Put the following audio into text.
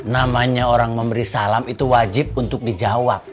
namanya orang memberi salam itu wajib untuk dijawab